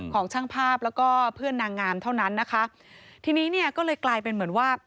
ของช่างภาพแล้วก็เพื่อนนางงามเท่านั้นนะคะทีนี้เนี่ยก็เลยกลายเป็นเหมือนว่า